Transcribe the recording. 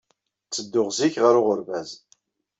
Ttedduɣ zik ɣer uɣerbaz.